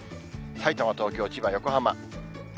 さいたま、東京、千葉、横浜。